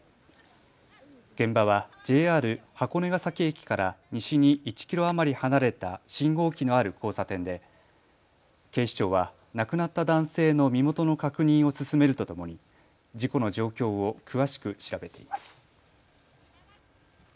現場はＪＲ箱根ヶ崎駅から西に１キロ余り離れた信号機のある交差点で警視庁は亡くなった男性の身元の確認を進めるとともに事故の状況を詳しく調べています。